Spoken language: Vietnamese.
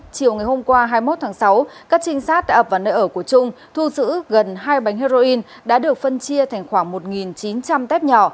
chiều ngày hôm qua hai mươi một tháng sáu các trinh sát đã ập vào nơi ở của trung thu giữ gần hai bánh heroin đã được phân chia thành khoảng một chín trăm linh tép nhỏ